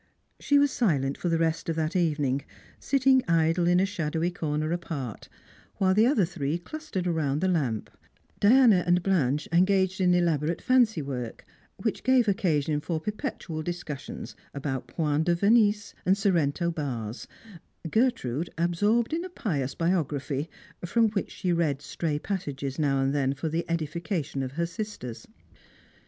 She was silent for the rest of that evening, silting idle in a shadowy corner apart, while the other three clustered round the lamp; Diana and Blanche engaged in elaborate fancy work, which gave occasion for perjietual discussions about jioint de Venise, and Sorrento bars; Gertrude absorbed in a pious bio graphy, from which she read stray passages now and then for the edification of her sisters.